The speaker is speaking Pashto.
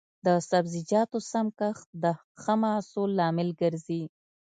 د سبزیجاتو سم کښت د ښه محصول لامل ګرځي.